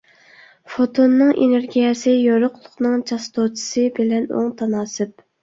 فوتوننىڭ ئېنېرگىيەسى يورۇقلۇقنىڭ چاستوتىسى بىلەن ئوڭ تاناسىپ.